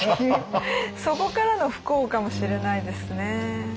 そこからの不幸かもしれないですね。